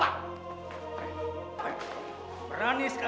jadi kita harus membunuh itu orang bang